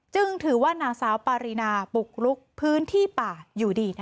จึงถือว่านางสาวปารีนาบุกลุกพื้นที่ป่าอยู่ดี